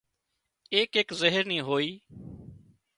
ايڪ ايڪ زهر نِي هوئي